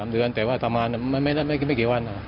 ๓เดือนแต่ว่าต่อมาไม่ได้ไม่กี่วัน